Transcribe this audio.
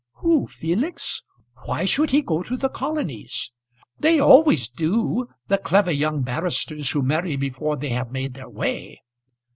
"Who, Felix? Why should he go to the colonies?" "They always do, the clever young barristers who marry before they have made their way.